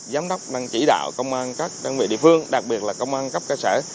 giám đốc đang chỉ đạo công an các đơn vị địa phương đặc biệt là công an cấp cơ sở